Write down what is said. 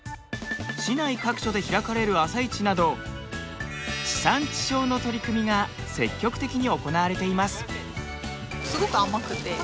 市内各所で開かれる朝市など地産地消の取り組みが積極的に行われています。